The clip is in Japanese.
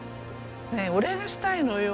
お礼がしたいのよ。